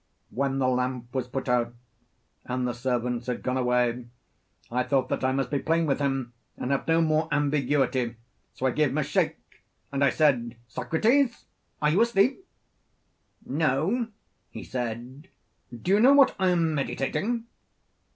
When the lamp was put out and the servants had gone away, I thought that I must be plain with him and have no more ambiguity. So I gave him a shake, and I said: 'Socrates, are you asleep?' 'No,' he said. 'Do you know what I am meditating?